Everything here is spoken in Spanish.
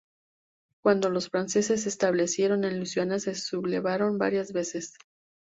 Cuando los franceses se establecieron en Luisiana se sublevaron varias veces.